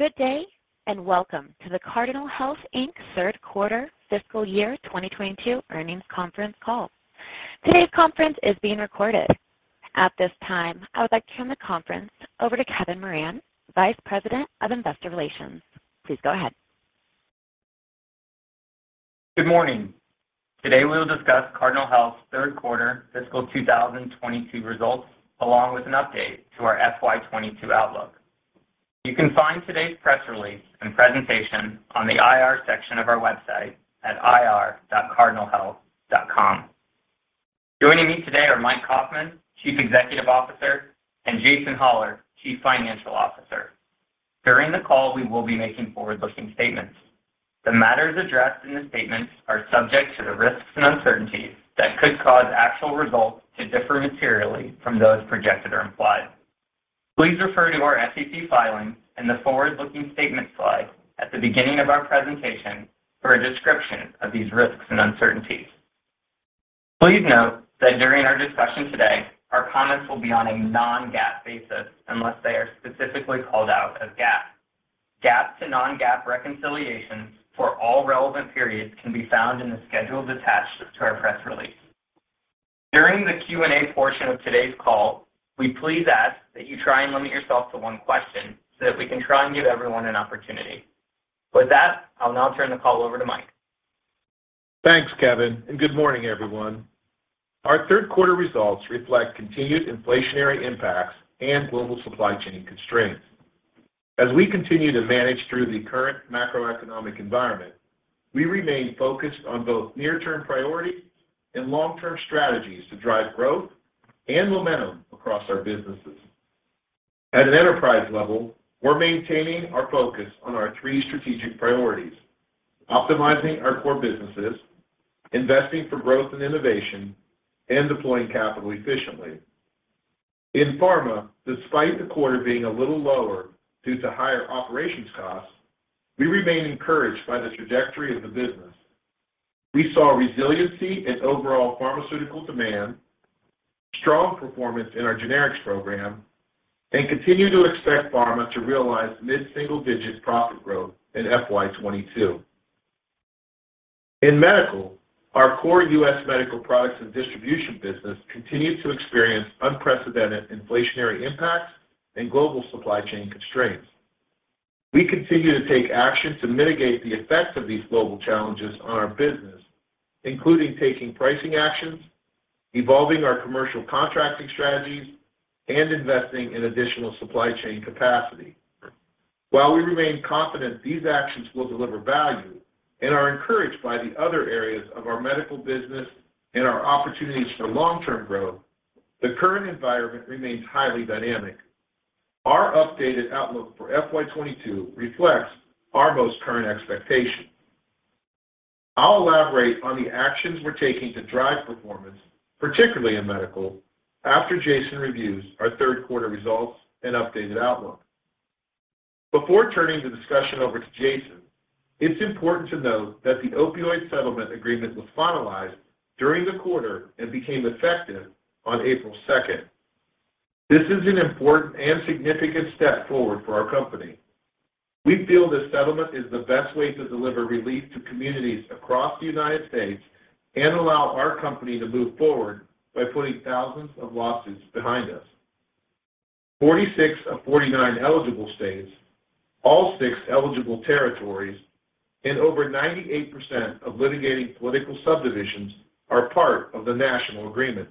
Good day, and welcome to the Cardinal Health, Inc. third quarter fiscal year 2022 earnings conference call. Today's conference is being recorded. At this time, I would like to turn the conference over to Kevin Moran, Vice President of Investor Relations. Please go ahead. Good morning. Today, we'll discuss Cardinal Health's third quarter fiscal 2022 results, along with an update to our FY 2022 outlook. You can find today's press release and presentation on the IR section of our website at ir.cardinalhealth.com. Joining me today are Mike Kaufmann, Chief Executive Officer, and Jason Hollar, Chief Financial Officer. During the call, we will be making forward-looking statements. The matters addressed in the statements are subject to the risks and uncertainties that could cause actual results to differ materially from those projected or implied. Please refer to our SEC filings and the forward-looking statement slide at the beginning of our presentation for a description of these risks and uncertainties. Please note that during our discussion today, our comments will be on a non-GAAP basis unless they are specifically called out as GAAP. GAAP to non-GAAP reconciliations for all relevant periods can be found in the schedules attached to our press release. During the Q&A portion of today's call, we please ask that you try and limit yourself to one question, so that we can try and give everyone an opportunity. With that, I'll now turn the call over to Mike. Thanks, Kevin, and good morning, everyone. Our third quarter results reflect continued inflationary impacts and global supply chain constraints. As we continue to manage through the current macroeconomic environment, we remain focused on both near-term priorities and long-term strategies to drive growth and momentum across our businesses. At an enterprise level, we're maintaining our focus on our three strategic priorities. Optimizing our core businesses, investing for growth and innovation, and deploying capital efficiently. In Pharma, despite the quarter being a little lower due to higher operations costs, we remain encouraged by the trajectory of the business. We saw resiliency in overall pharmaceutical demand, strong performance in our generics program, and continue to expect Pharma to realize mid-single-digit profit growth in FY 2022. In Medical, our core U.S. medical products and distribution business continued to experience unprecedented inflationary impacts and global supply chain constraints. We continue to take action to mitigate the effects of these global challenges on our business, including taking pricing actions, evolving our commercial contracting strategies, and investing in additional supply chain capacity. While we remain confident these actions will deliver value and are encouraged by the other areas of our medical business and our opportunities for long-term growth, the current environment remains highly dynamic. Our updated outlook for FY 22 reflects our most current expectations. I'll elaborate on the actions we're taking to drive performance, particularly in medical, after Jason reviews our third quarter results and updated outlook. Before turning the discussion over to Jason, it's important to note that the opioid settlement agreement was finalized during the quarter and became effective on April second. This is an important and significant step forward for our company. We feel this settlement is the best way to deliver relief to communities across the United States and allow our company to move forward by putting thousands of lawsuits behind us. 46 of 49 eligible states, all six eligible territories, and over 98% of litigating political subdivisions are part of the national agreement.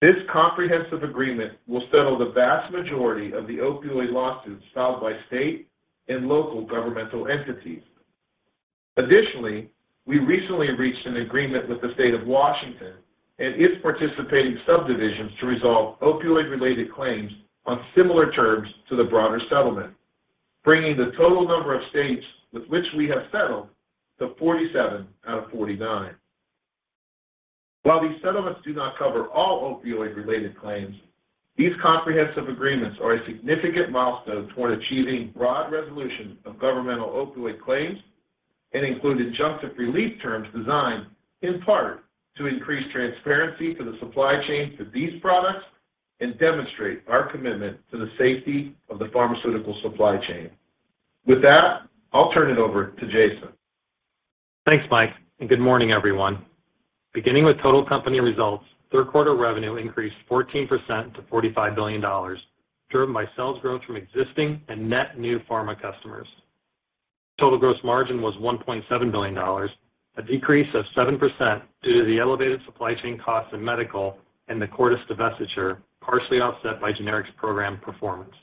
This comprehensive agreement will settle the vast majority of the opioid lawsuits filed by state and local governmental entities. Additionally, we recently reached an agreement with the State of Washington and its participating subdivisions to resolve opioid-related claims on similar terms to the broader settlement, bringing the total number of states with which we have settled to 47 out of 49. While these settlements do not cover all opioid-related claims, these comprehensive agreements are a significant milestone toward achieving broad resolution of governmental opioid claims and include injunctive relief terms designed, in part, to increase transparency for the supply chain for these products and demonstrate our commitment to the safety of the pharmaceutical supply chain. With that, I'll turn it over to Jason. Thanks, Mike, and good morning, everyone. Beginning with total company results, third quarter revenue increased 14% to $45 billion, driven by sales growth from existing and net new pharma customers. Total gross margin was $1.7 billion, a decrease of 7% due to the elevated supply chain costs in medical and the Cordis divestiture, partially offset by generics program performance.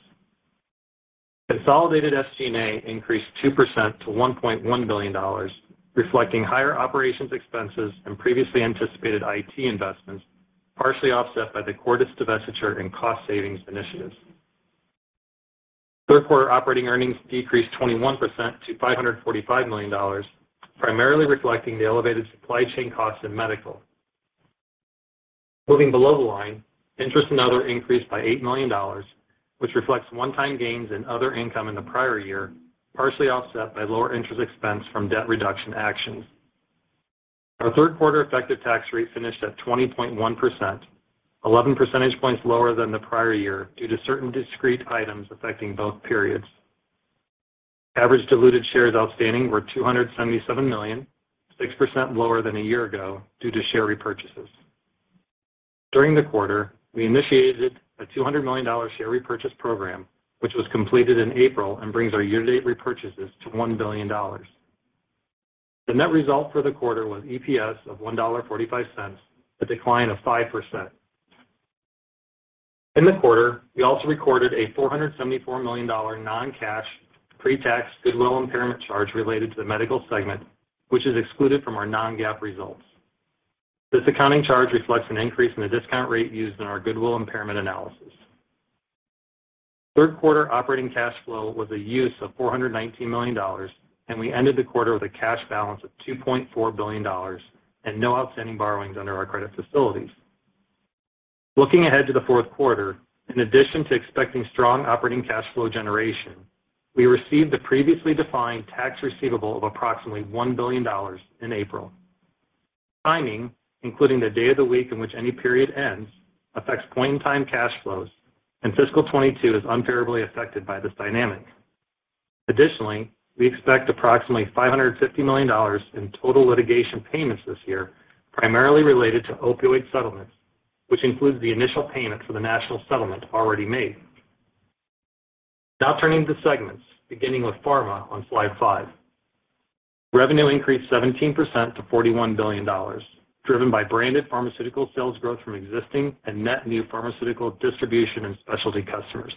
Consolidated SG&A increased 2% to $1.1 billion, reflecting higher operations expenses and previously anticipated IT investments, partially offset by the Cordis divestiture and cost savings initiatives. Third quarter operating earnings decreased 21% to $545 million, primarily reflecting the elevated supply chain costs in medical. Moving below the line, interest and other increased by $8 million, which reflects one-time gains in other income in the prior-year, partially offset by lower interest expense from debt reduction actions. Our third quarter effective tax rate finished at 20.1%, 11 percentage points lower than the prior year due to certain discrete items affecting both periods. Average diluted shares outstanding were 277 million, 6% lower than a year ago due to share repurchases. During the quarter, we initiated a $200 million share repurchase program, which was completed in April and brings our year-to-date repurchases to $1 billion. The net result for the quarter was EPS of $1.45, a decline of 5%. In the quarter, we also recorded a $474 million non-cash pre-tax goodwill impairment charge related to the Medical segment, which is excluded from our non-GAAP results. This accounting charge reflects an increase in the discount rate used in our goodwill impairment analysis. Third quarter operating cash flow was a use of $419 million, and we ended the quarter with a cash balance of $2.4 billion and no outstanding borrowings under our credit facilities. Looking ahead to the fourth quarter, in addition to expecting strong operating cash flow generation, we received the previously defined tax receivable of approximately $1 billion in April. Timing, including the day of the week in which any period ends, affects point-in-time cash flows, and fiscal 2022 is unfavorably affected by this dynamic. Additionally, we expect approximately $550 million in total litigation payments this year, primarily related to opioid settlements, which includes the initial payment for the national settlement already made. Now turning to segments, beginning with pharma on Slide five. Revenue increased 17% to $41 billion, driven by branded pharmaceutical sales growth from existing and net new pharmaceutical distribution and specialty customers.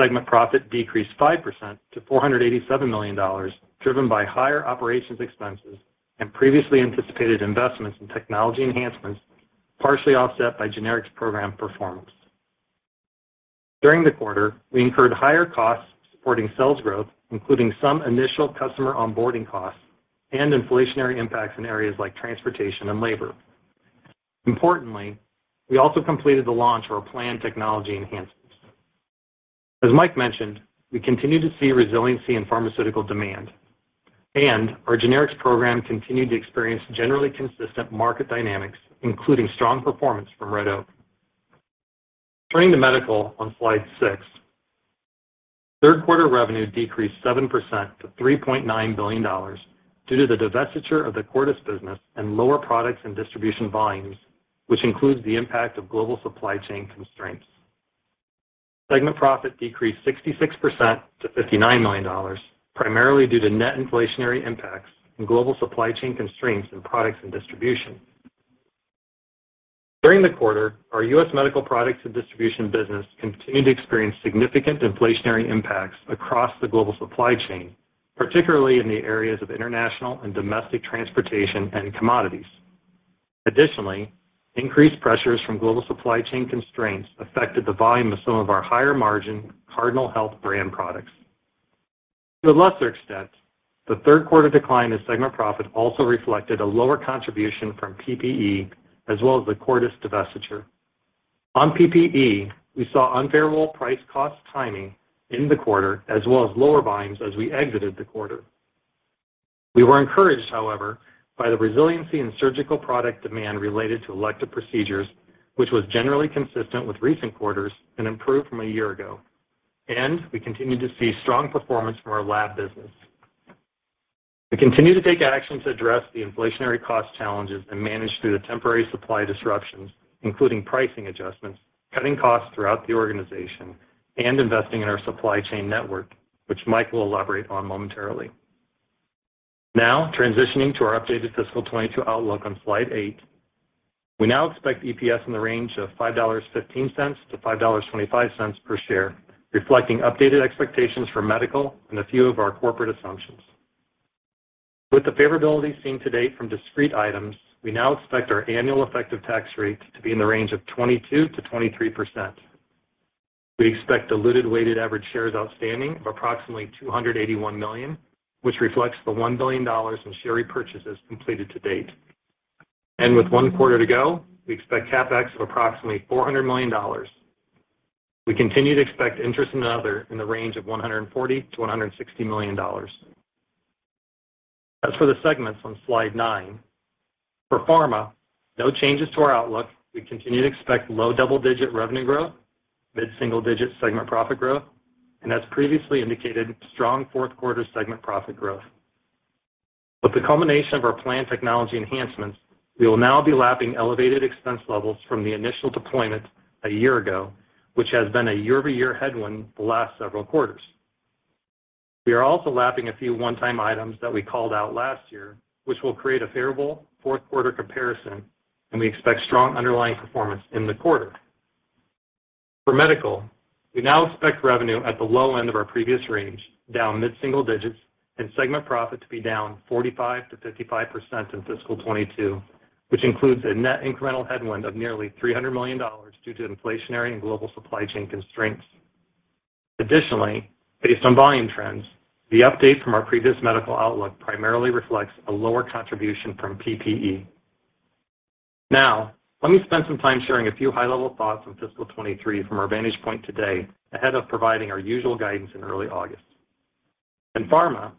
Segment profit decreased 5% to $487 million, driven by higher operations expenses and previously anticipated investments in technology enhancements, partially offset by generics program performance. During the quarter, we incurred higher costs supporting sales growth, including some initial customer on-boarding costs and inflationary impacts in areas like transportation and labor. Importantly, we also completed the launch of our planned technology enhancements. As Mike mentioned, we continue to see resiliency in pharmaceutical demand, and our generics program continued to experience generally consistent market dynamics, including strong performance from Red Oak. Turning to Medical on Slide six. Third quarter revenue decreased 7% to $3.9 billion due to the divestiture of the Cordis business and lower products and distribution volumes, which includes the impact of global supply chain constraints. Segment profit decreased 66% to $59 million, primarily due to net inflationary impacts and global supply chain constraints in products and distribution. During the quarter, our U.S. medical products and distribution business continued to experience significant inflationary impacts across the global supply chain, particularly in the areas of international and domestic transportation and commodities. Additionally, increased pressures from global supply chain constraints affected the volume of some of our higher-margin Cardinal Health brand products. To a lesser extent, the third quarter decline in segment profit also reflected a lower contribution from PPE as well as the Cordis divestiture. On PPE, we saw unfavorable price cost timing in the quarter, as well as lower volumes as we exited the quarter. We were encouraged, however, by the resiliency in surgical product demand related to elective procedures, which was generally consistent with recent quarters and improved from a year ago. We continued to see strong performance from our lab business. We continue to take action to address the inflationary cost challenges and manage through the temporary supply disruptions, including pricing adjustments, cutting costs throughout the organization, and investing in our supply chain network, which Mike will elaborate on momentarily. Now transitioning to our updated fiscal 22 outlook on Slide eight. We now expect EPS in the range of $5.15-$5.25 per share, reflecting updated expectations for medical and a few of our corporate assumptions. With the favorability seen to date from discrete items, we now expect our annual effective tax rate to be in the range of 22%-23%. We expect diluted weighted average shares outstanding of approximately 281 million, which reflects the $1 billion in share repurchases completed to date. With one quarter to go, we expect CapEx of approximately $400 million. We continue to expect interest and other in the range of $140 million-$160 million. As for the segments on Slide nine, for pharma, no changes to our out-look. We continue to expect low double-digit revenue growth, mid single-digit segment profit growth, and as previously indicated, strong fourth quarter segment profit growth. With the culmination of our planned technology enhancements, we will now be lapping elevated expense levels from the initial deployment a year ago, which has been a year-over-year headwind the last several quarters. We are also lapping a few one-time items that we called out last year, which will create a favorable fourth quarter comparison, and we expect strong underlying performance in the quarter. For medical, we now expect revenue at the low end of our previous range, down mid single digits, and segment profit to be down 45%-55% in fiscal 2022, which includes a net incremental headwind of nearly $300 million due to inflationary and global supply chain constraints. Additionally, based on volume trends, the update from our previous medical outlook primarily reflects a lower contribution from PPE. Now, let me spend some time sharing a few high-level thoughts on fiscal 2023 from our vantage point today ahead of providing our usual guidance in early August. In pharma,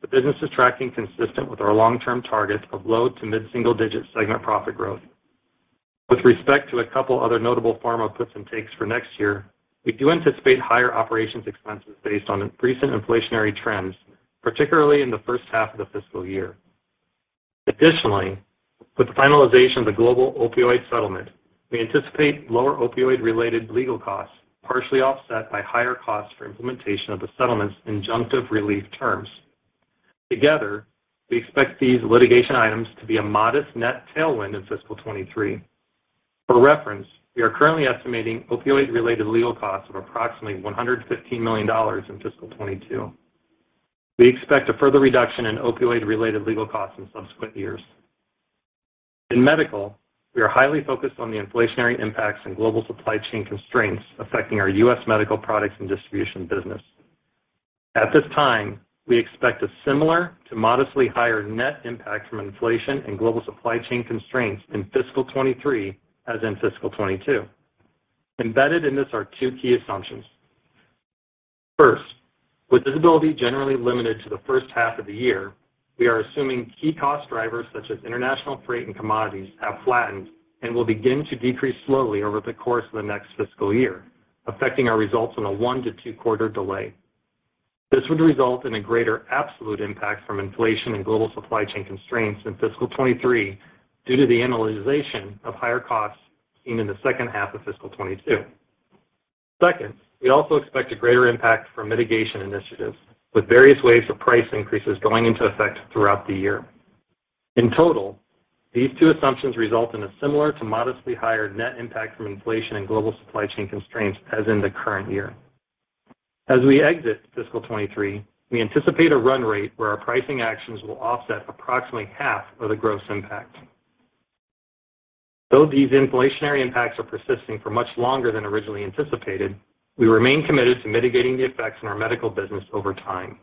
the business is tracking consistent with our long-term target of low- to mid-single-digit segment profit growth. With respect to a couple other notable pharma puts and takes for next year, we do anticipate higher operations expenses based on recent inflationary trends, particularly in the first half of the fiscal year. Additionally, with the finalization of the global opioid settlement, we anticipate lower opioid-related legal costs, partially offset by higher costs for implementation of the settlement's injunctive relief terms. Together, we expect these litigation items to be a modest net tailwind in fiscal 2023. For reference, we are currently estimating opioid-related legal costs of approximately $115 million in fiscal 2022. We expect a further reduction in opioid-related legal costs in subsequent years. In medical, we are highly focused on the inflationary impacts and global supply chain constraints affecting our U.S. medical products and distribution business. At this time, we expect a similar to modestly higher net impact from inflation and global supply chain constraints in fiscal 2023 as in fiscal 2022. Embedded in this are two key assumptions. First, with visibility generally limited to the first half of the year, we are assuming key cost drivers such as international freight and commodities have flattened and will begin to decrease slowly over the course of the next fiscal year, affecting our results on a one to two quarter delay. This would result in a greater absolute impact from inflation and global supply chain constraints in fiscal 2023 due to the analysis of higher costs seen in the second half of fiscal 2022. Second, we also expect a greater impact from mitigation initiatives with various waves of price increases going into effect throughout the year. In total, these two assumptions result in a similar to modestly higher net impact from inflation and global supply chain constraints as in the current year. As we exit fiscal 2023, we anticipate a run rate where our pricing actions will offset approximately half of the gross impact. Though these inflationary impacts are persisting for much longer than originally anticipated, we remain committed to mitigating the effects in our medical business over time.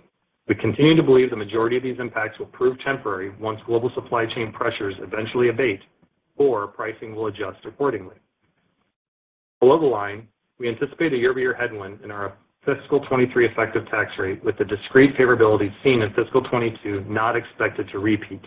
We continue to believe the majority of these impacts will prove temporary once global supply chain pressures eventually abate or pricing will adjust accordingly. Below the line, we anticipate a year-over-year head-wind in our fiscal 2023 effective tax rate with the discrete favorability seen in fiscal 2022 not expected to repeat.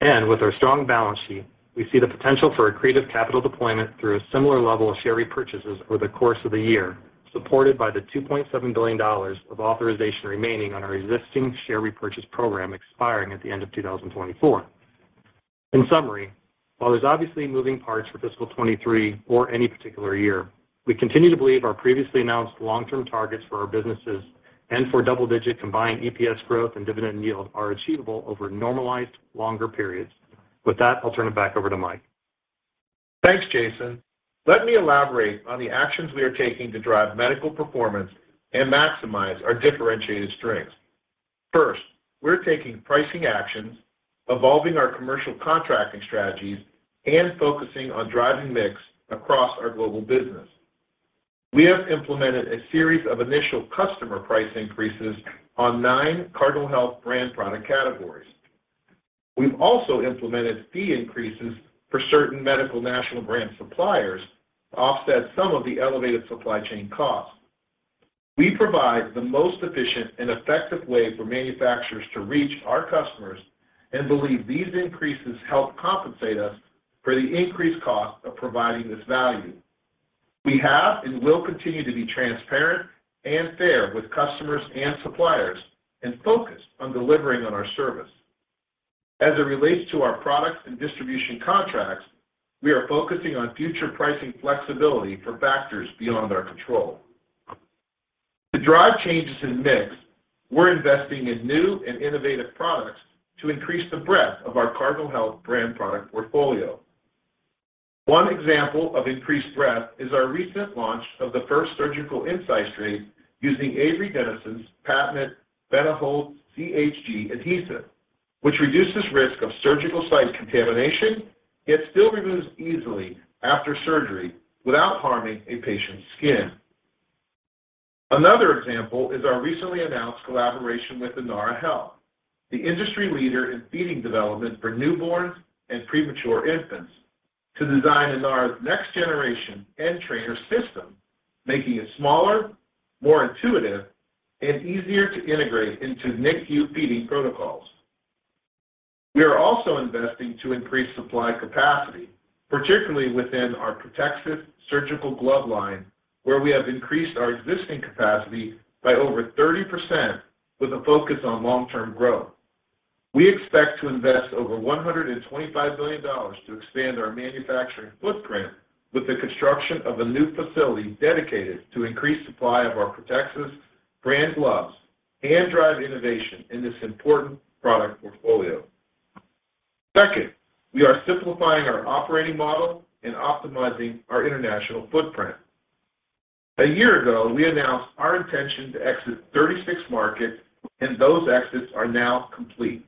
With our strong balance sheet, we see the potential for accretive capital deployment through a similar level of share repurchases over the course of the year, supported by the $2.7 billion of authorization remaining on our existing share re-purchase program expiring at the end of 2024. In summary, while there's obviously moving parts for fiscal 2023 or any particular year, we continue to believe our previously announced long-term targets for our businesses and for double-digit combined EPS growth and dividend yield are achievable over normalized longer periods. With that, I'll turn it back over to Mike. Thanks, Jason. Let me elaborate on the actions we are taking to drive medical performance and maximize our differentiated strengths. First, we're taking pricing actions, evolving our commercial contracting strategies, and focusing on driving mix across our global business. We have implemented a series of initial customer price increases on nine Cardinal Health brand product categories. We've also implemented fee increases for certain medical national brand suppliers to offset some of the elevated supply chain costs. We provide the most efficient and effective way for manufacturers to reach our customers and believe these increases help compensate us for the increased cost of providing this value. We have and will continue to be transparent and fair with customers and suppliers and focused on delivering on our service. As it relates to our products and distribution contracts, we are focusing on future pricing flexibility for factors beyond our control. To drive changes in mix, we're investing in new and innovative products to increase the breadth of our Cardinal Health brand product portfolio. One example of increased breadth is our recent launch of the first surgical incise drape using Avery Dennison's patented BeneHold CHG adhesive, which reduces risk of surgical site contamination, yet still removes easily after surgery without harming a patient's skin. Another example is our recently announced collaboration with Innara Health, the industry leader in feeding development for newborns and premature infants, to design Innara's next-generation N-Trainer system, making it smaller, more intuitive, and easier to integrate into NICU feeding protocols. We are also investing to increase supply capacity, particularly within our protective surgical glove line, where we have increased our existing capacity by over 30% with a focus on long-term growth. We expect to invest over $125 million to expand our manufacturing footprint with the construction of a new facility dedicated to increased supply of our Protexis brand gloves and drive innovation in this important product portfolio. Second, we are simplifying our operating model and optimizing our international footprint. A year ago, we announced our intention to exit 36 markets, and those exits are now complete.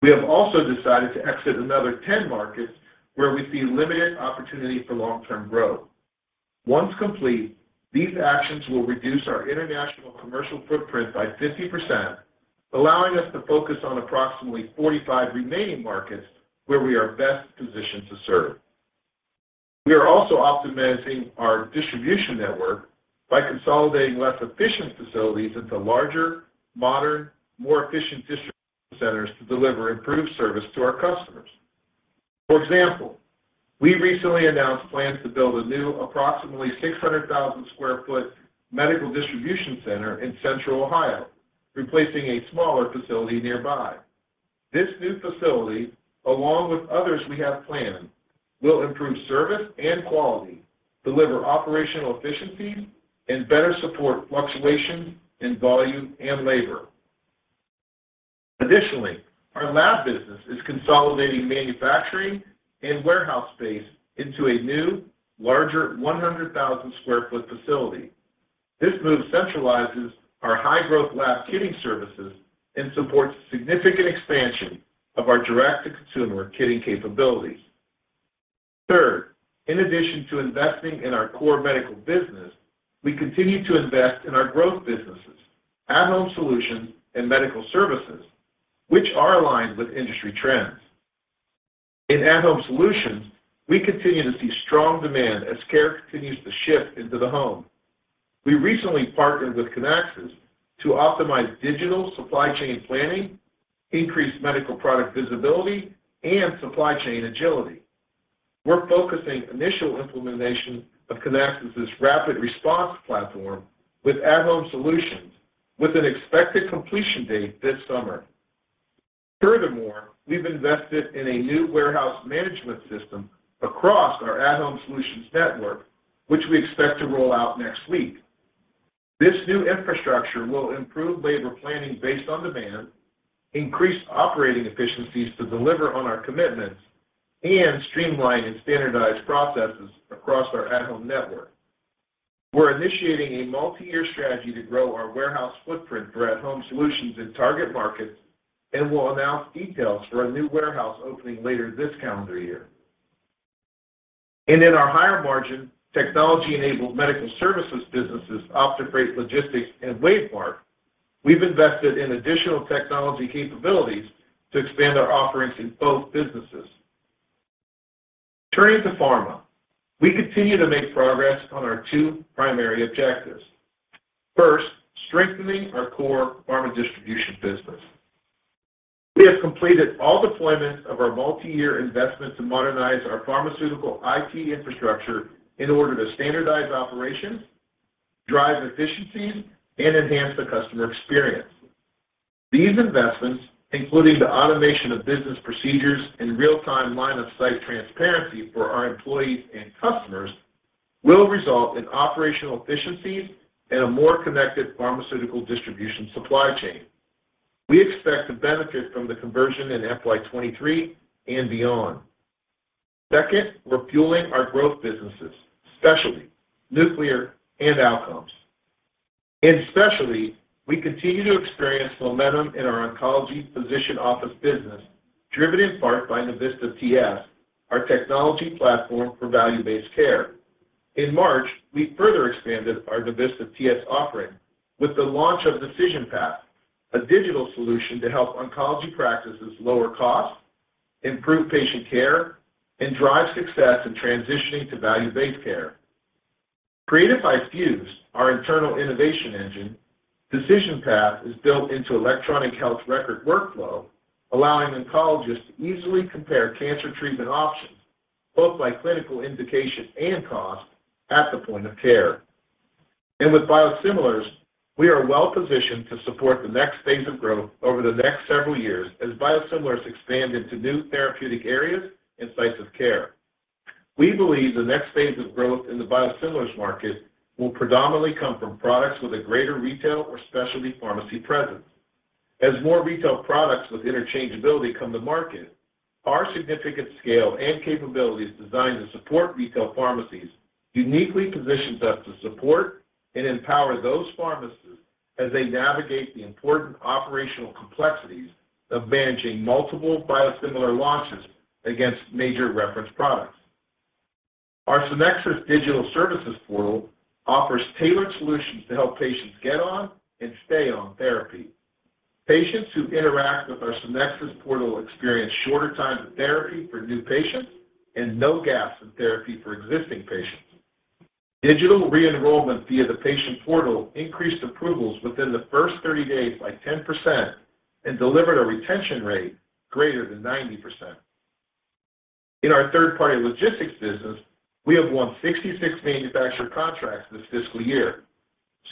We have also decided to exit another 10 markets where we see limited opportunity for long-term growth. Once complete, these actions will reduce our international commercial footprint by 50%, allowing us to focus on approximately 45 remaining markets where we are best positioned to serve. We are also optimizing our distribution network by consolidating less efficient facilities into larger, modern, more efficient distribution centers to deliver improved service to our customers. For example, we recently announced plans to build a new approximately 600,000 square foot medical distribution center in central Ohio, replacing a smaller facility nearby. This new facility, along with others we have planned, will improve service and quality, deliver operational efficiencies, and better support fluctuation in volume and labor. Additionally, our lab business is consolidating manufacturing and warehouse space into a new, larger, 100,000 square foot facility. This move centralizes our high-growth lab kitting services and supports significant expansion of our direct-to-consumer kitting capabilities. Third, in addition to investing in our core medical business, we continue to invest in our growth businesses, at-home solutions and medical services, which are aligned with industry trends. In at-home solutions, we continue to see strong demand as care continues to shift into the home. We recently partnered with Kinaxis to optimize digital supply chain planning, increase medical product visibility, and supply chain agility. We're focusing initial implementation of Kinaxis's RapidResponse platform with at-home solutions with an expected completion date this summer. Furthermore, we've invested in a new warehouse management system across our at-home solutions network, which we expect to roll out next week. This new infrastructure will improve labor planning based on demand, increase operating efficiencies to deliver on our commitments, and streamline and standardize processes across our at-home network. We're initiating a multi-year strategy to grow our warehouse footprint for at-home solutions in target markets, and we'll announce details for a new warehouse opening later this calendar year. In our higher-margin, technology-enabled medical services businesses, OptiFreight Logistics and WaveMark, we've invested in additional technology capabilities to expand our offerings in both businesses. Turning to pharma, we continue to make progress on our two primary objectives. First, strengthening our core pharma distribution business. We have completed all deployments of our multiyear investment to modernize our pharmaceutical IT infrastructure in order to standardize operations, drive efficiencies, and enhance the customer experience. These investments, including the automation of business procedures and real-time line of sight transparency for our employees and customers, will result in operational efficiencies and a more connected pharmaceutical distribution supply chain. We expect to benefit from the conversion in FY 2023 and beyond. Second, we're fueling our growth businesses, specialty, nuclear, and outcomes. In specialty, we continue to experience momentum in our oncology physician office business, driven in part by Navista TS, our technology platform for value-based care. In March, we further expanded our Navista TS offering with the launch of Decision Path, a digital solution to help oncology practices lower costs, improve patient care, and drive success in transitioning to value-based care. Created by Fuse, our internal innovation engine, Decision Path is built into electronic health record workflow, allowing oncologists to easily compare cancer treatment options, both by clinical indication and cost, at the point of care. With biosimilars, we are well-positioned to support the next phase of growth over the next several years as biosimilars expand into new therapeutic areas and sites of care. We believe the next phase of growth in the biosimilars market will predominantly come from products with a greater retail or specialty pharmacy presence. As more retail products with interchangeability come to market, our significant scale and capabilities designed to support retail pharmacies uniquely positions us to support and empower those pharmacists as they navigate the important operational complexities of managing multiple biosimilar launches against major reference products. Our Sonexus Digital Services portal offers tailored solutions to help patients get on and stay on therapy. Patients who interact with our Sonexus portal experience shorter times of therapy for new patients and no gaps in therapy for existing patients. Digital re-enrollment via the patient portal increased approvals within the first 30 days by 10% and delivered a retention rate greater than 90%. In our third-party logistics business, we have won 66 manufacturer contracts this fiscal year.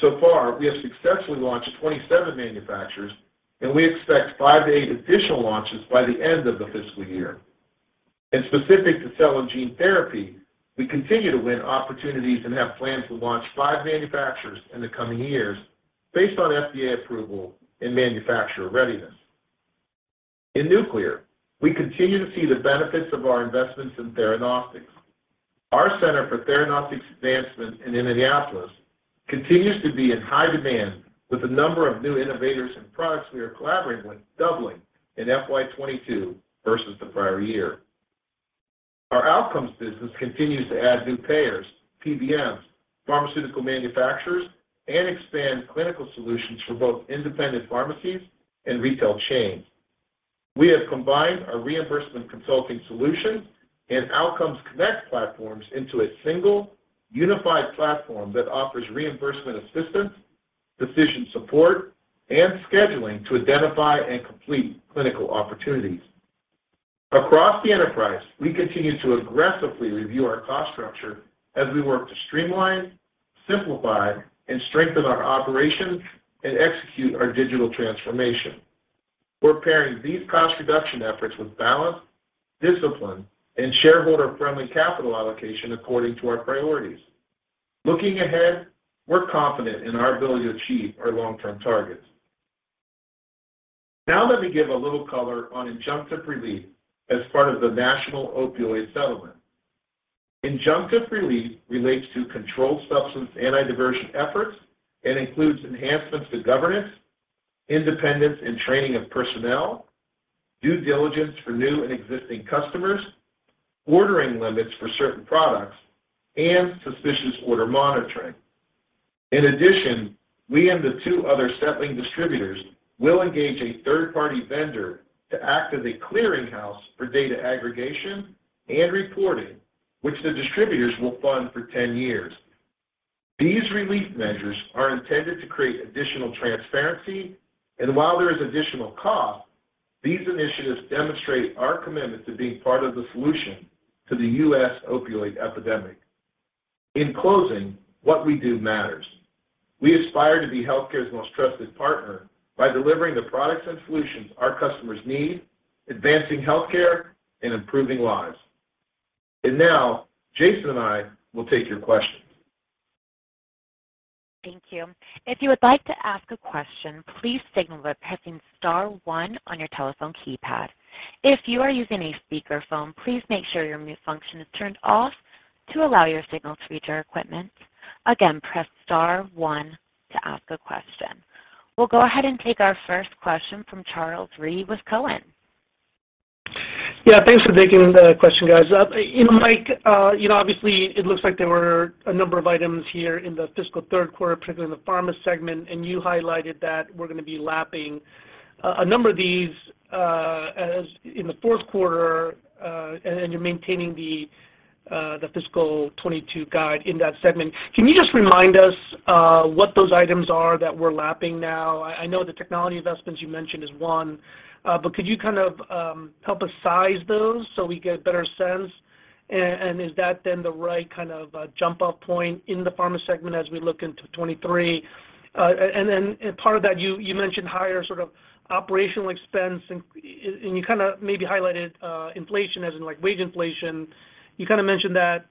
So far, we have successfully launched 27 manufacturers, and we expect five to eight additional launches by the end of the fiscal year. Specific to cell and gene therapy, we continue to win opportunities and have plans to launch five manufacturers in the coming years based on FDA approval and manufacturer readiness. In nuclear, we continue to see the benefits of our investments in theranostics. Our Center for Theranostics Advancement in Indianapolis continues to be in high demand with the number of new innovators and products we are collaborating with doubling in FY 2022 versus the prior year. Our outcomes business continues to add new payers, PBMs, pharmaceutical manufacturers, and expand clinical solutions for both independent pharmacies and retail chains. We have combined our reimbursement consulting solution and Outcomes Connect platforms into a single unified platform that offers reimbursement assistance, decision support, and scheduling to identify and complete clinical opportunities. Across the enterprise, we continue to aggressively review our cost structure as we work to streamline, simplify, and strengthen our operations and execute our digital transformation. We're pairing these cost reduction efforts with balance, discipline, and shareholder-friendly capital allocation according to our priorities. Looking ahead, we're confident in our ability to achieve our long-term targets. Now, let me give a little color on injunctive relief as part of the national opioid settlement. Injunctive relief relates to controlled substance anti-diversion efforts and includes enhancements to governance, independence, and training of personnel, due diligence for new and existing customers, ordering limits for certain products, and suspicious order monitoring. In addition, we and the two other settling distributors will engage a third-party vendor to act as a clearing house for data aggregation and reporting, which the distributors will fund for ten years. These relief measures are intended to create additional transparency. While there is additional cost, these initiatives demonstrate our commitment to being part of the solution to the U.S. opioid epidemic. In closing, what we do matters. We aspire to be healthcare's most trusted partner by delivering the products and solutions our customers need, advancing healthcare, and improving lives. Now, Jason and I will take your questions. Thank you. If you would like to ask a question, please signal by pressing star one on your telephone keypad. If you are using a speakerphone, please make sure your mute function is turned off to allow your signal to reach our equipment. Again, press star one to ask a question. We'll go ahead and take our first question from Charles Rhyee with Cowen. Yeah, thanks for taking the question, guys. You know, Mike, you know, obviously it looks like there were a number of items here in the fiscal third quarter, particularly in the pharma segment, and you highlighted that we're gonna be lapping a number of these as in the fourth quarter, and you're maintaining the fiscal 2022 guide in that segment. Can you just remind us what those items are that we're lapping now? I know the technology investments you mentioned is one, but could you kind of help us size those so we get a better sense? And is that then the right kind of jump-off point in the pharma segment as we look into 2023? Part of that, you mentioned higher sort of operational expense and you kinda maybe highlighted inflation as in like wage inflation. You kinda mentioned that,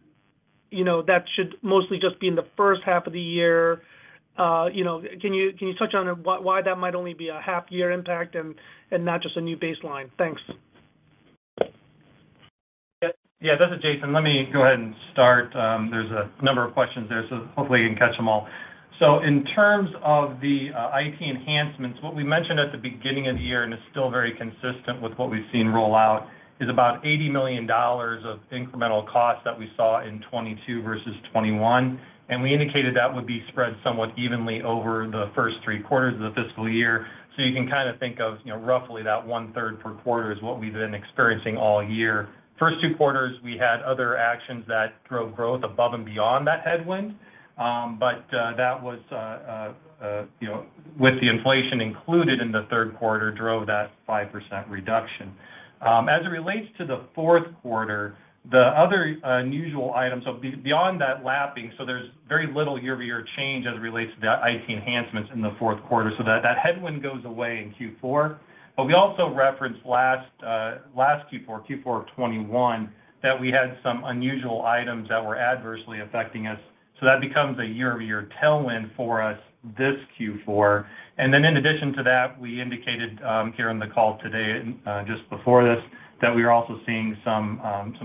you know, that should mostly just be in the first half of the year. You know, can you touch on why that might only be a half year impact and not just a new baseline? Thanks. Yeah. Yeah, this is Jason. Let me go ahead and start. There's a number of questions there, so hopefully I can catch them all. In terms of the IT enhancements, what we mentioned at the beginning of the year, and it's still very consistent with what we've seen roll out, is about $80 million of incremental cost that we saw in 2022 versus 2021. We indicated that would be spread somewhat evenly over the first three quarters of the fiscal year. You can kinda think of, you know, roughly that one-third per quarter is what we've been experiencing all year. First two quarters, we had other actions that drove growth above and beyond that head-wind. That was, you know, with the inflation included in the third quarter drove that 5% reduction. As it relates to the fourth quarter, the other unusual items beyond that lapping, there's very little year-over-year change as it relates to the IT enhancements in the fourth quarter. That headwind goes away in fourth quarter. We also referenced last fourth quarter of 2021, that we had some unusual items that were adversely affecting us. That becomes a year-over-year tailwind for us this fourth quarter. In addition to that, we indicated here on the call today, just before this, that we are also seeing some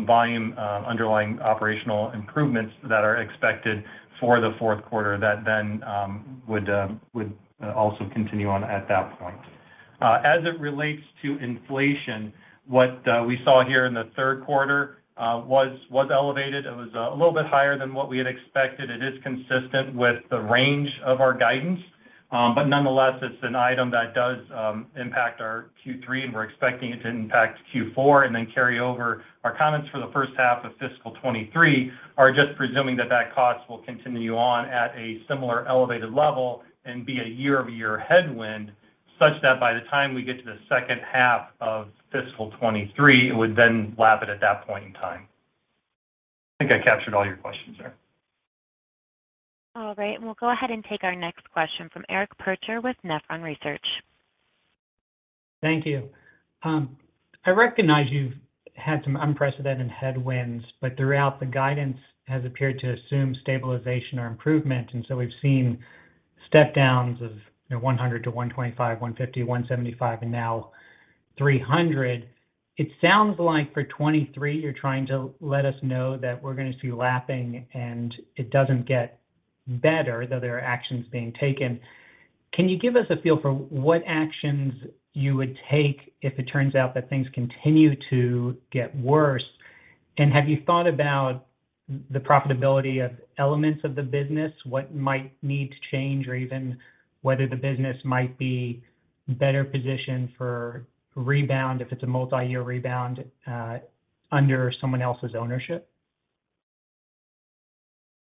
volume underlying operational improvements that are expected for the fourth quarter that then would also continue on at that point. As it relates to inflation, what we saw here in the third quarter was elevated. It was a little bit higher than what we had expected. It is consistent with the range of our guidance. Nonetheless, it's an item that does impact our third quarter, and we're expecting it to impact fourth quarter and then carry over. Our comments for the first half of fiscal 2023 are just presuming that cost will continue on at a similar elevated level and be a year-over-year headwind such that by the time we get to the second half of fiscal 2023, it would then lap it at that point in time. I think I captured all your questions there. All right. We'll go ahead and take our next question from Eric Percher with Nephron Research. Thank you. I recognize you've had some unprecedented head-winds, but throughout, the guidance has appeared to assume stabilization or improvement, and so we've seen step-downs of, you know, $100-$125, $150, $175, and now $300. It sounds like for 2023 you're trying to let us know that we're going to see lapping and it doesn't get better, though there are actions being taken. Can you give us a feel for what actions you would take if it turns out that things continue to get worse? And have you thought about the profitability of elements of the business, what might need to change, or even whether the business might be better positioned for rebound if it's a multi-year re-bound under someone else's ownership?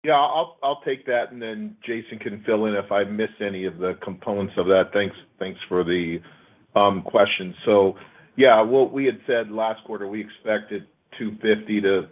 Yeah. I'll take that, and then Jason can fill in if I miss any of the components of that. Thanks for the question. Yeah. What we had said last quarter, we expected $250-$300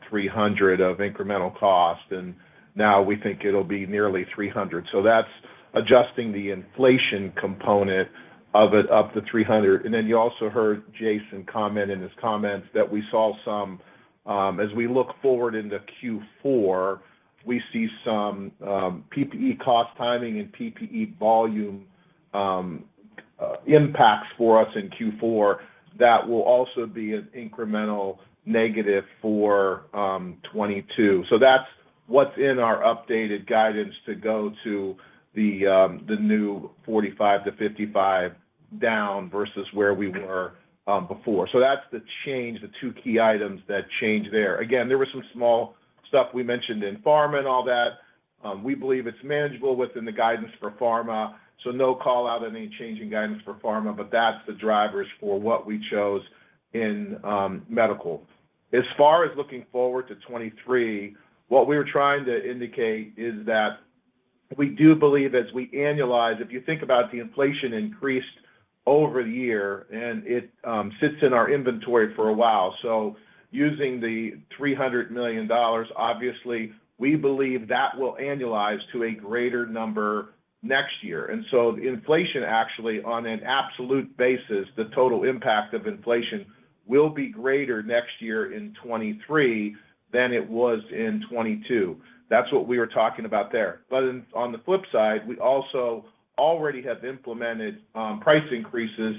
of incremental cost, and now we think it'll be nearly $300. That's adjusting the inflation component of it up to $300. You also heard Jason comment in his comments that as we look forward into fourth quarter, we see some PPE cost timing and PPE volume impacts for us in fourth quarter that will also be an incremental negative for 2022. That's what's in our updated guidance to go to the new $45-$55 down versus where we were before. That's the change, the two key items that change there. Again, there was some small stuff we mentioned in pharma and all that. We believe it's manageable within the guidance for pharma, so no call out, any change in guidance for pharma, but that's the drivers for what we chose in medical. As far as looking forward to 2023, what we're trying to indicate is that we do believe as we annualize, if you think about the inflation increase over the year, and it sits in our inventory for a while. Using the $300 million, obviously we believe that will annualize to a greater number next year. The inflation actually, on an absolute basis, the total impact of inflation will be greater next year in 2023 than it was in 2022. That's what we were talking about there. On the flip side, we also already have implemented price increases,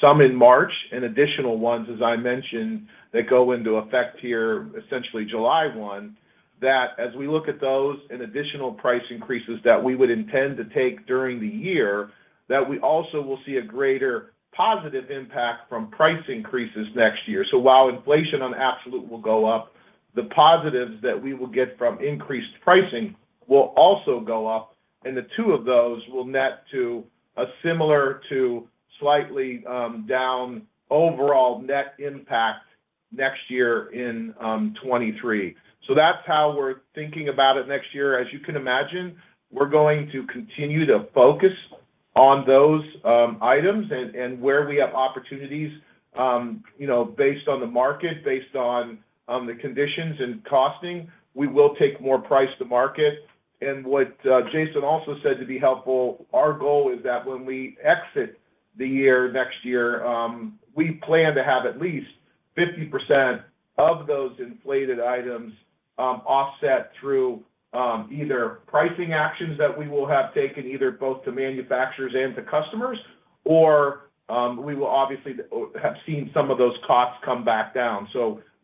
some in March and additional ones, as I mentioned, that go into effect here, essentially July one, that as we look at those and additional price increases that we would intend to take during the year, that we also will see a greater positive impact from price increases next year. While inflation on absolute will go up, the positives that we will get from increased pricing will also go up, and the two of those will net to a similar to slightly down overall net impact next year in 2023. That's how we're thinking about it next year. As you can imagine, we're going to continue to focus on those items and where we have opportunities, you know, based on the market, based on the conditions and costing, we will take more price to market. What Jason also said, to be helpful, our goal is that when we exit the year-next-year, we plan to have at least 50% of those inflated items offset through either pricing actions that we will have taken either both to manufacturers and to customers, or we will obviously have seen some of those costs come back down.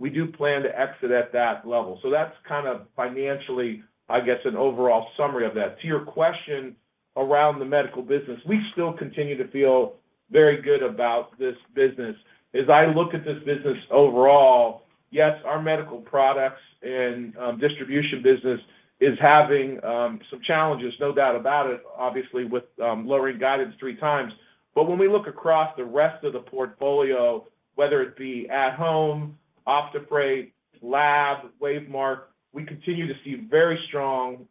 We do plan to exit at that level. That's kind of financially, I guess, an overall summary of that. To your question around the medical business, we still continue to feel very good about this business. As I look at this business overall, yes, our medical products and distribution business is having some challenges, no doubt about it, obviously with lowering guidance three times. When we look across the rest of the portfolio, whether it be at home, OptiFreight, lab, WaveMark, we continue to see very strong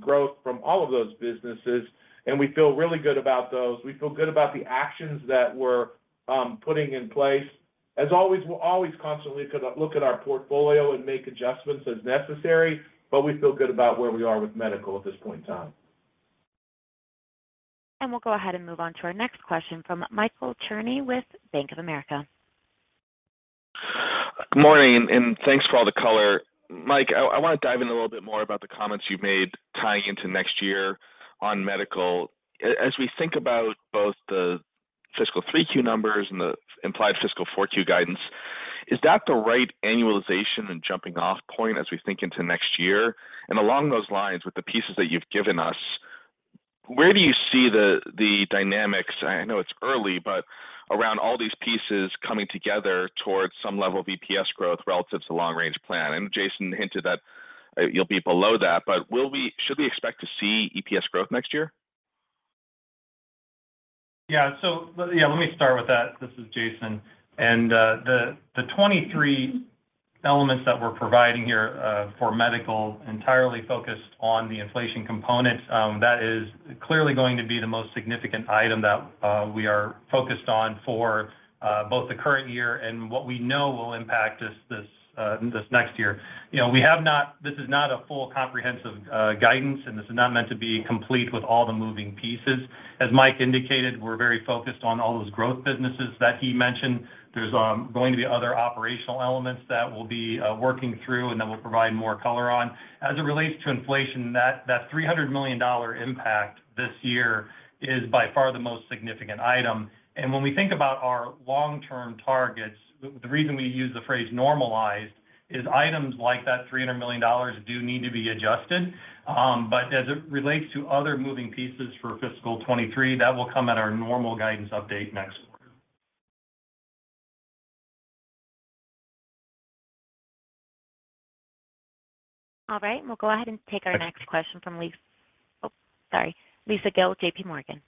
growth from all of those businesses, and we feel really good about those. We feel good about the actions that we're putting in place. As always, we'll always constantly look at our portfolio and make adjustments as necessary, but we feel good about where we are with medical at this point in time. We'll go ahead and move on to our next question from Michael Cherny with Bank of America. Good morning, and thanks for all the color. Mike, I wanna dive in a little bit more about the comments you made tying into next year on Medical. As we think about both the fiscal 3Q numbers and the implied fiscal 4Q guidance, is that the right annualization and jumping off point as we think into next year? Along those lines, with the pieces that you've given us, where do you see the dynamics, I know it's early, but around all these pieces coming together towards some level of EPS growth relative to long range plan? Jason hinted that you'll be below that, but should we expect to see EPS growth next year? Yeah, yeah, let me start with that. This is Jason. The 23 elements that we're providing here for Medical entirely focused on the inflation component, that is clearly going to be the most significant item that we are focused on for both the current year and what we know will impact us this next year. You know, this is not a full comprehensive guidance, and this is not meant to be complete with all the moving pieces. As Mike indicated, we're very focused on all those growth businesses that he mentioned. There's going to be other operational elements that we'll be working through and that we'll provide more color on. As it relates to inflation, that $300 million impact this year is by far the most significant item. When we think about our long-term targets, the reason we use the phrase normalized is items like that $300 million do need to be adjusted. As it relates to other moving pieces for fiscal 2023, that will come at our normal guidance update next quarter. All right. We'll go ahead and take our next question from Lisa Gill with J.P. Morgan.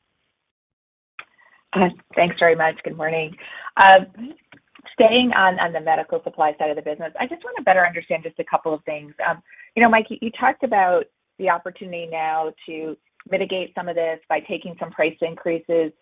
Thanks very much. Good morning. Staying on the medical supply side of the business, I just want to better understand just a couple of things. You know, Mike, you talked about the opportunity now to mitigate some of this by taking some price increases.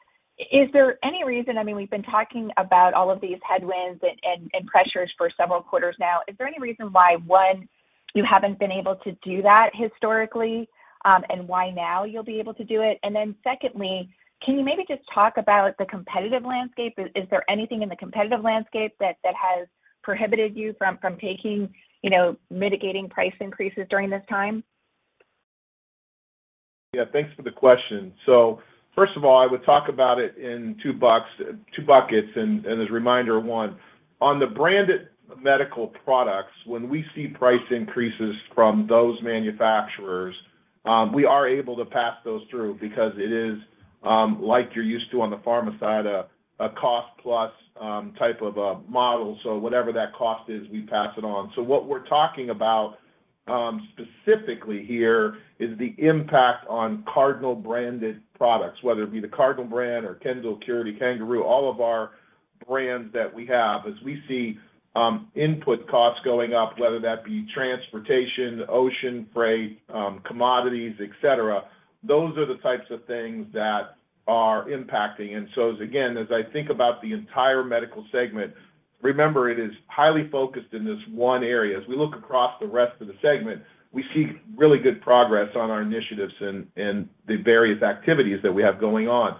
Is there any reason. I mean, we've been talking about all of these head-winds and pressures for several quarters now. Is there any reason why, one, you haven't been able to do that historically, and why now you'll be able to do it? Secondly, can you maybe just talk about the competitive landscape? Is there anything in the competitive landscape that has prohibited you from taking, you know, mitigating price increases during this time? Yeah. Thanks for the question. First of all, I would talk about it in two buckets. And as a reminder, one, on the branded medical products, when we see price increases from those manufacturers, we are able to pass those through because it is, like you're used to on the pharma side, a cost plus type of a model. Whatever that cost is, we pass it on. What we're talking about, specifically here is the impact on Cardinal-branded products, whether it be the Cardinal brand or Kendall, Curity, Kangaroo, all of our brands that we have, as we see, input costs going up, whether that be transportation, ocean freight, commodities, et cetera, those are the types of things that are impacting. Again, as I think about the entire Medical segment, remember, it is highly focused in this one area. As we look across the rest of the segment, we see really good progress on our initiatives and the various activities that we have going on.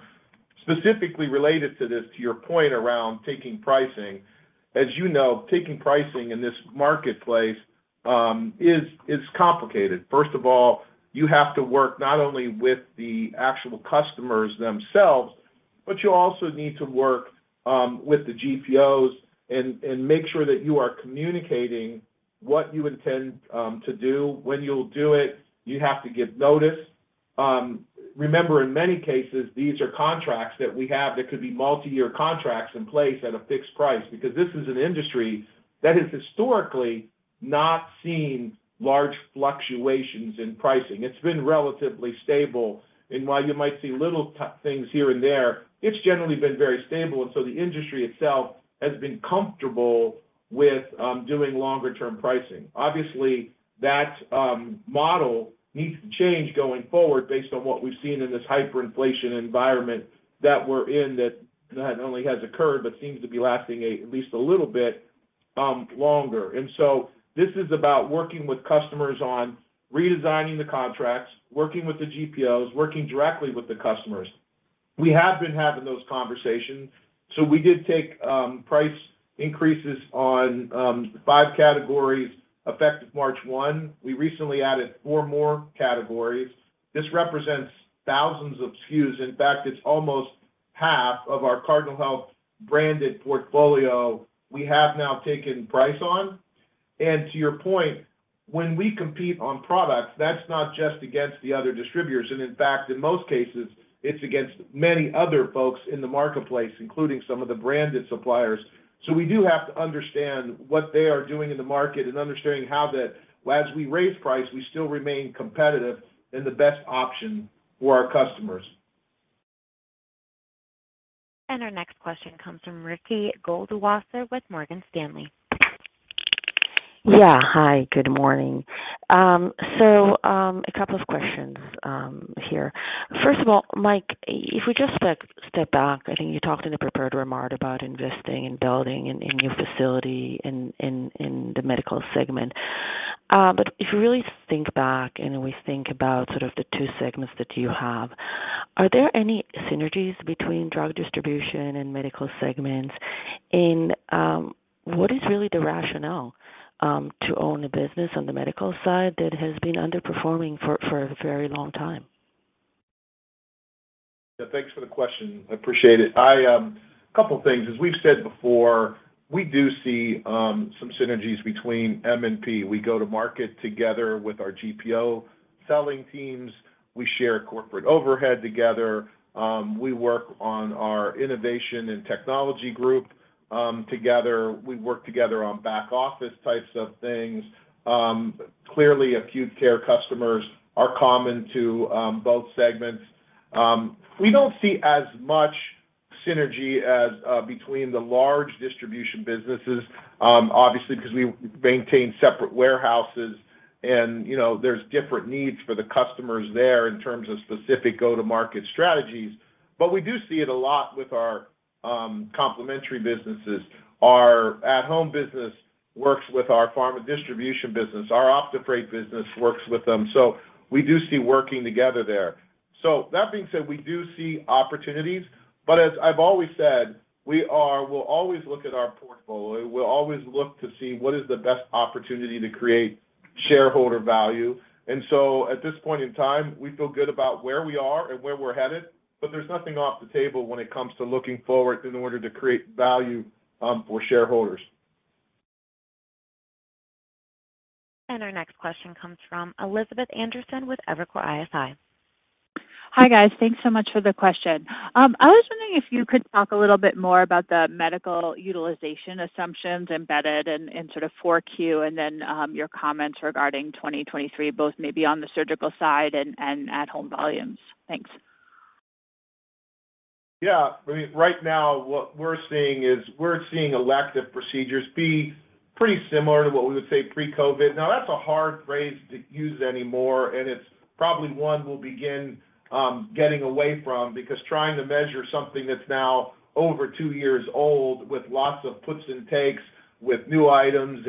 Specifically related to this, to your point around taking pricing, as you know, taking pricing in this marketplace is complicated. First of all, you have to work not only with the actual customers themselves, but you also need to work with the GPOs and make sure that you are communicating what you intend to do, when you'll do it. You have to give notice. Remember, in many cases, these are contracts that we have that could be multi-year contracts in place at a fixed price, because this is an industry that has historically not seen large fluctuations in pricing. It's been relatively stable. While you might see little things here and there, it's generally been very stable, and so the industry itself has been comfortable with doing longer-term pricing. Obviously, that model needs to change going forward based on what we've seen in this hyperinflation environment that we're in that not only has occurred, but seems to be lasting at least a little bit longer. This is about working with customers on redesigning the contracts, working with the GPOs, working directly with the customers. We have been having those conversations, so we did take price increases on 5 categories effective March 1. We recently added four more categories. This represents thousands of SKUs. In fact, it's almost half of our Cardinal Health branded portfolio we have now taken price on. To your point, when we compete on products, that's not just against the other distributors, and in fact, in most cases, it's against many other folks in the marketplace, including some of the branded suppliers. We do have to understand what they are doing in the market and understanding how that, as we raise price, we still remain competitive and the best option for our customers. Our next question comes from Ricky Goldwasser with Morgan Stanley. Yeah. Hi, good morning. A couple of questions here. First of all, Mike, if we just step back, I think you talked in a prepared remark about investing and building a new facility in the Medical segment. If you really think back and we think about sort of the two segments that you have, are there any synergies between drug distribution and Medical segments? What is really the rationale to own a business on the medical side that has been underperforming for a very long time? Thanks for the question. I appreciate it. A couple of things. As we've said before, we do see some synergies between M&P. We go to market together with our GPO selling teams. We share corporate overhead together. We work on our innovation and technology group together. We work together on back office types of things. Clearly, acute care customers are common to both segments. We don't see as much synergy as between the large distribution businesses, obviously because we maintain separate warehouses and, you know, there's different needs for the customers there in terms of specific go-to-market strategies. We do see it a lot with our complementary businesses. Our at-home business works with our pharma distribution business. Our OptiFreight business works with them. We do see working together there. That being said, we do see opportunities. As I've always said, we'll always look at our portfolio. We'll always look to see what is the best opportunity to create shareholder value. At this point in time, we feel good about where we are and where we're headed, but there's nothing off the table when it comes to looking forward in order to create value for shareholders. Our next question comes from Elizabeth Anderson with Evercore ISI. Hi, guys. Thanks so much for the question. I was wondering if you could talk a little bit more about the medical utilization assumptions embedded in sort of 4Q and then your comments regarding 2023, both maybe on the surgical side and at-home volumes. Thanks. Yeah. I mean, right now what we're seeing is elective procedures be pretty similar to what we would say pre-COVID. Now, that's a hard phrase to use anymore, and it's probably one we'll begin getting away from because trying to measure something that's now over two years old with lots of puts and takes with new items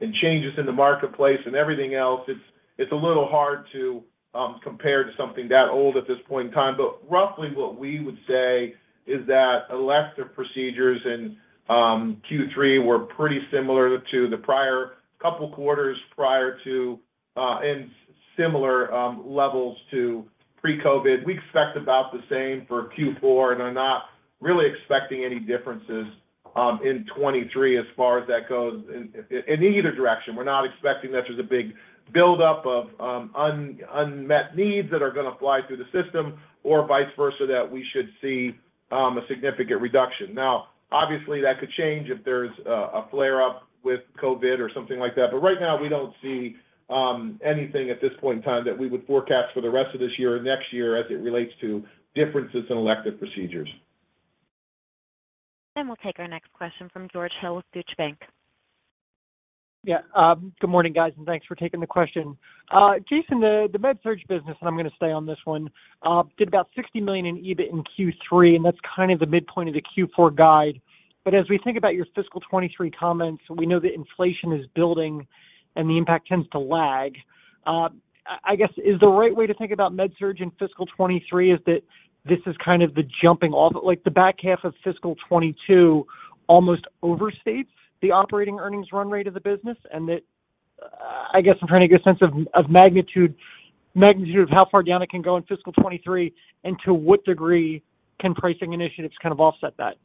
and changes in the marketplace and everything else, it's a little hard to compare to something that old at this point in time. Roughly what we would say is that elective procedures in third quarter were pretty similar to the prior couple quarters prior to and similar levels to pre-COVID. We expect about the same for fourth quarter, and I'm not really expecting any differences in 2023 as far as that goes in either direction. We're not expecting that there's a big buildup of unmet needs that are gonna fly through the system or vice versa, that we should see a significant reduction. Now, obviously, that could change if there's a flare up with COVID or something like that. Right now, we don't see anything at this point in time that we would forecast for the rest of this year or next year as it relates to differences in elective procedures. We'll take our next question from George Hill with Deutsche Bank. Yeah. Good morning, guys, and thanks for taking the question. Jason, the Medical-Surgical business, and I'm gonna stay on this one, did about $60 million in EBIT in third quarter, and that's kind of the midpoint of the fourth quarter guide. As we think about your fiscal 2023 comments, we know that inflation is building and the impact tends to lag. I guess is the right way to think about Medical-Surgical in fiscal 2023 is that this is kind of the jumping off, like, the back half of fiscal 2022 almost overstates the operating earnings run rate of the business? I guess I'm trying to get a sense of magnitude of how far down it can go in fiscal 2023, and to what degree can pricing initiatives kind of offset that?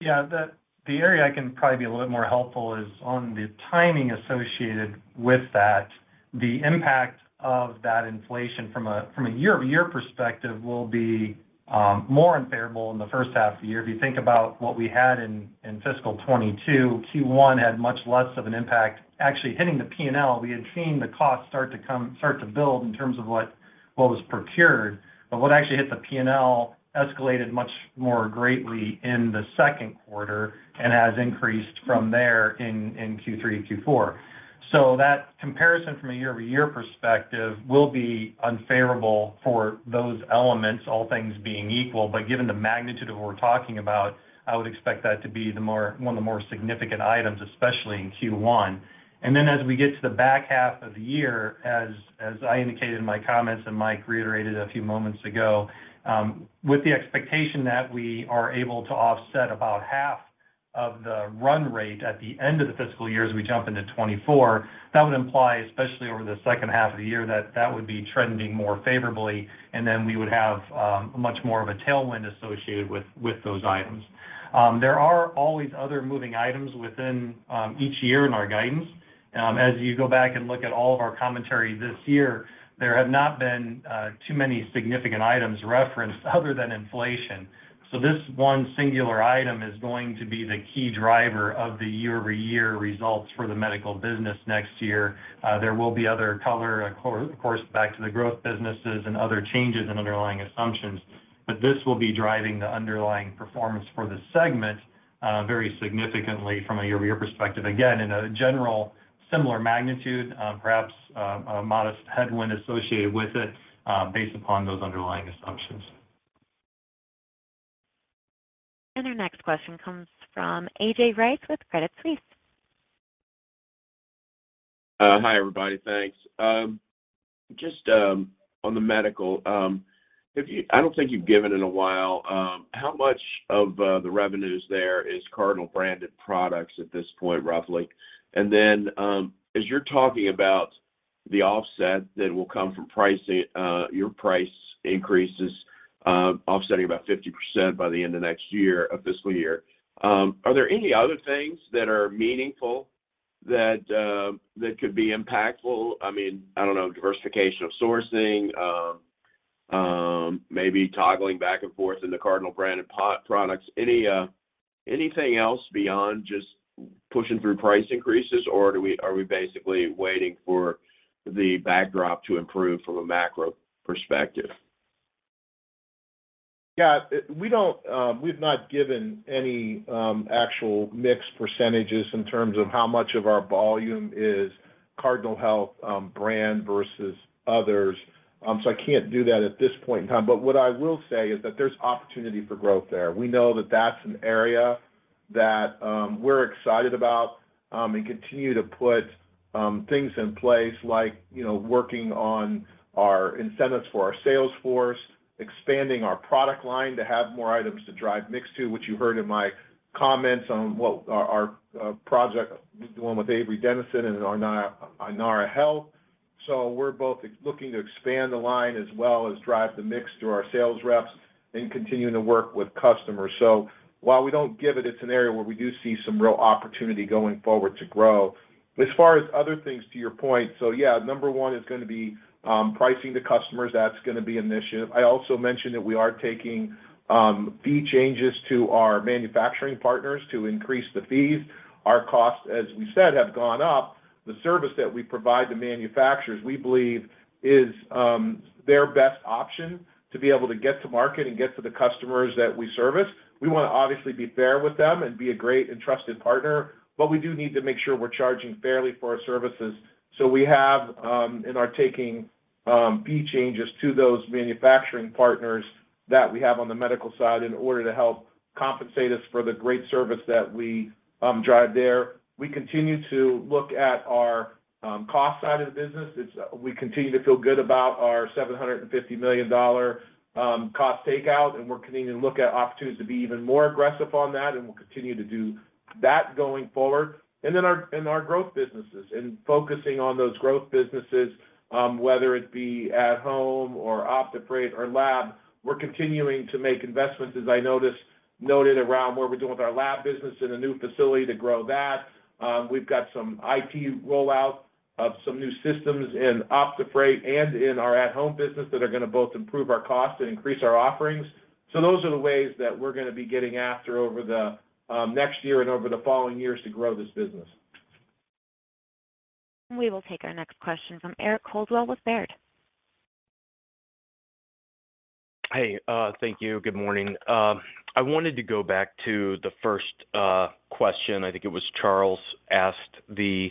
Yeah. The area I can probably be a little more helpful is on the timing associated with that. The impact of that inflation from a year-over-year perspective will be more unfavorable in the first half of the year. If you think about what we had in fiscal 2022, first quarter had much less of an impact actually hitting the P&L. We had seen the cost start to build in terms of what was procured, but what actually hit the P&L escalated much more greatly in the second quarter and has increased from there in third quarter and fourth quarter. That comparison from a year-over-year perspective will be unfavorable for those elements, all things being equal. Given the magnitude of what we're talking about, I would expect that to be one of the more significant items, especially in first quarter. Then as we get to the back half of the year, as I indicated in my comments and Mike reiterated a few moments ago, with the expectation that we are able to offset about half of the run rate at the end of the fiscal year as we jump into 2024, that would imply, especially over the second half of the year, that that would be trending more favorably, and then we would have much more of a tailwind associated with those items. There are always other moving items within each year in our guidance. As you go back and look at all of our commentary this year, there have not been too many significant items referenced other than inflation. This one singular item is going to be the key driver of the year-over-year results for the medical business next year. There will be other color, of course, back to the growth businesses and other changes in underlying assumptions. This will be driving the underlying performance for the segment, very significantly from a year-over-year perspective. Again, in a general similar magnitude, perhaps, a modest headwind associated with it, based upon those underlying assumptions. Our next question comes from A.J. Rice with Credit Suisse. Hi, everybody. Thanks. Just on the Medical, I don't think you've given in a while, how much of the revenues there is Cardinal-branded-products at this point, roughly? Then, as you're talking about the offset that will come from pricing, your price increases, offsetting about 50% by the end of next year, fiscal year, are there any other things that are meaningful that could be impactful? I mean, I don't know, diversification of sourcing, maybe toggling back and forth in the Cardinal-branded-products. Anything else beyond just pushing through price increases, or are we basically waiting for the back-drop to improve from a macro perspective? Yeah. We don't, we've not given any, actual mix percentages in terms of how much of our volume is Cardinal Health brand versus others. I can't do that at this point in time. What I will say is that there's opportunity for growth there. We know that that's an area that we're excited about, and continue to put, things in place like, you know, working on our incentives for our sales force, expanding our product line to have more items to drive mix to, which you heard in my comments on what our project we're doing with Avery Dennison and Innara Health. We're both looking to expand the line as well as drive the mix through our sales reps. Continuing to work with customers. While we don't give it's an area where we do see some real opportunity going forward to grow. As far as other things to your point, so yeah, number one is gonna be, pricing to customers. That's gonna be initiative. I also mentioned that we are taking, fee changes to our manufacturing partners to increase the fees. Our costs, as we said, have gone up. The service that we provide the manufacturers, we believe is, their best option to be able to get to market and get to the customers that we service. We wanna obviously be fair with them and be a great and trusted partner, but we do need to make sure we're charging fairly for our services. We have and are taking fee changes to those manufacturing partners that we have on the medical side in order to help compensate us for the great service that we drive there. We continue to look at our cost side of the business. We continue to feel good about our $750 million cost takeout, and we're continuing to look at opportunities to be even more aggressive on that, and we'll continue to do that going forward. In our growth businesses and focusing on those growth businesses, whether it be at home or OptiFreight or lab, we're continuing to make investments, as I noted around where we're doing with our lab business in a new facility to grow that. We've got some IT rollout of some new systems in OptiFreight and in our at-home business that are gonna both improve our cost and increase our offerings. Those are the ways that we're gonna be getting after over the next year and over the following years to grow this business. We will take our next question from Eric Coldwell with Baird. Hey, thank you. Good morning. I wanted to go back to the first question. I think it was Charles asked the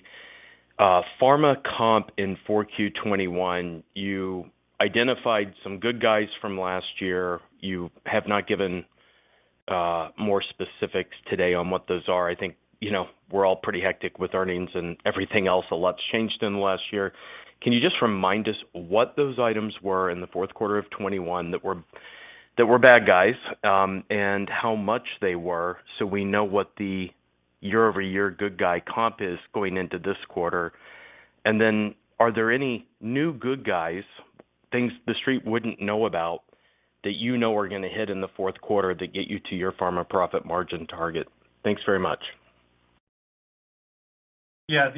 pharma comp in 4Q 2021. You identified some good guys from last year. You have not given more specifics today on what those are. I think, you know, we're all pretty hectic with earnings and everything else. A lot's changed in the last year. Can you just remind us what those items were in the fourth quarter of 2021 that were bad guys and how much they were, so we know what the year-over-year good guy comp is going into this quarter? Are there any new good guys, things The Street wouldn't know about that you know are gonna hit in the fourth quarter that get you to your pharma profit margin target? Thanks very much. Yeah.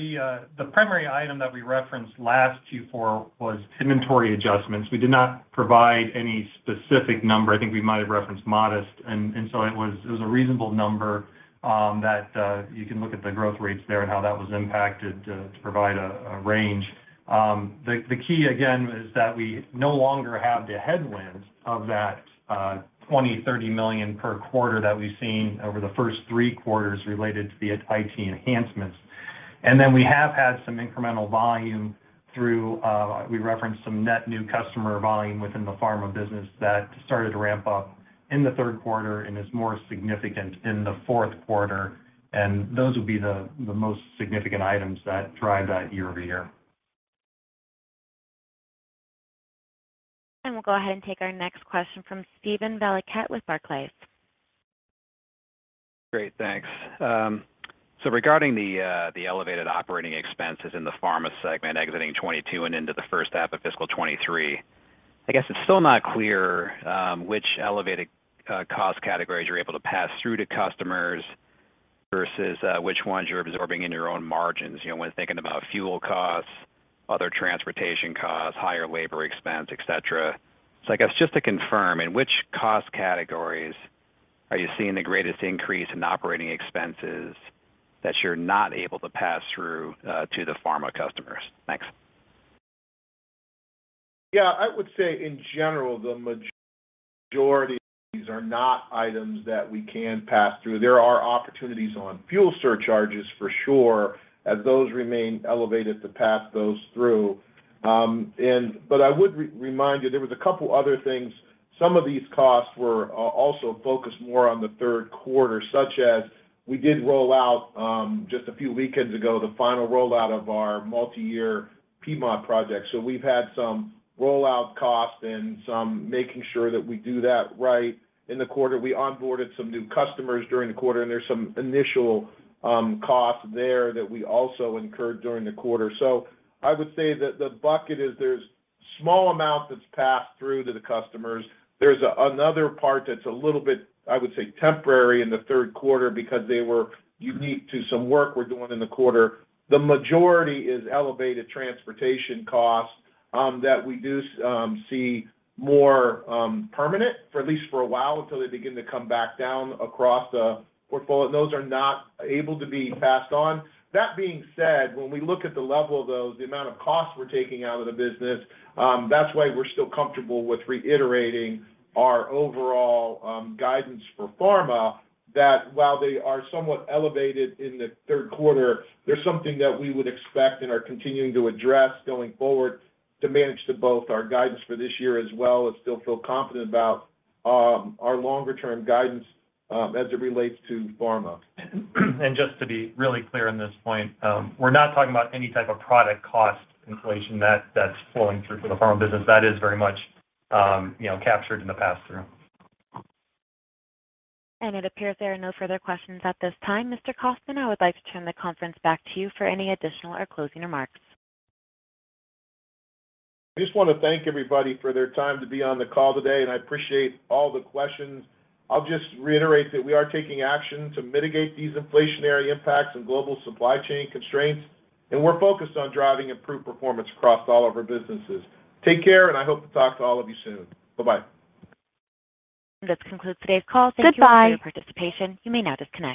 The primary item that we referenced last fourth quarter was inventory adjustments. We did not provide any specific number. I think we might have referenced modest, so it was a reasonable number that you can look at the growth rates there and how that was impacted to provide a range. The key again is that we no longer have the headwind of that $20-$30 million per quarter that we've seen over the first three quarters related to the IT enhancements. We have had some incremental volume we referenced some net new customer volume within the pharma business that started to ramp up in the third quarter and is more significant in the fourth quarter. Those would be the most significant items that drive that year-over-year. We'll go ahead and take our next question from Steven Valiquette with Barclays. Great. Thanks. Regarding the elevated operating expenses in the pharma segment exiting 2022 and into the first half of fiscal 2023, I guess it's still not clear which elevated cost categories you're able to pass through to customers versus which ones you're absorbing in your own margins. You know, when thinking about fuel costs, other transportation costs, higher labor expense, et cetera. I guess just to confirm, in which cost categories are you seeing the greatest increase in operating expenses that you're not able to pass through to the pharma customers? Thanks. Yeah. I would say in general, the majority of these are not items that we can pass through. There are opportunities on fuel surcharges for sure, as those remain elevated to pass those through. I would remind you, there was a couple other things. Some of these costs were also focused more on the third quarter, such as we did roll out just a few weekends ago, the final rollout of our multi-year PMOD project. We've had some rollout costs and some making sure that we do that right in the quarter. We onboarded some new customers during the quarter, and there's some initial costs there that we also incurred during the quarter. I would say that the bucket is there's small amount that's passed through to the customers. There's another part that's a little bit, I would say, temporary in the third quarter because they were unique to some work we're doing in the quarter. The majority is elevated transportation costs that we do see more permanent for at least for a while until they begin to come back down across the portfolio. Those are not able to be passed on. That being said, when we look at the level of those, the amount of costs we're taking out of the business, that's why we're still comfortable with reiterating our overall guidance for pharma that while they are somewhat elevated in the third quarter, there's something that we would expect and are continuing to address going forward to manage to both our guidance for this year as well and still feel confident about our longer term guidance as it relates to pharma. Just to be really clear on this point, we're not talking about any type of product cost inflation that's flowing through for the pharma business. That is very much, you know, captured in the pass-through. It appears there are no further questions at this time. Mr. Kaufmann, I would like to turn the conference back to you for any additional or closing remarks. I just wanna thank everybody for their time to be on the call today, and I appreciate all the questions. I'll just reiterate that we are taking action to mitigate these inflationary impacts and global supply chain constraints, and we're focused on driving improved performance across all of our businesses. Take care, and I hope to talk to all of you soon. Bye-bye. This concludes today's call. Thank you. Goodbye. For your participation. You may now disconnect.